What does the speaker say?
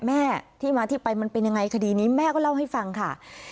แม่ที่มาที่ไปมันเป็นยังไงคดีนี้แม่ก็เล่าให้ฟังค่ะ